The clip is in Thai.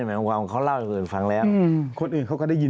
มันคิดเบื่อก็เรียก